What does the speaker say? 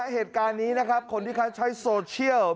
บูบกลางไฟแดงวะดูแลหน่อยดูแลหน่อย